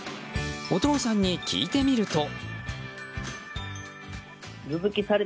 お父さんに聞いてみると。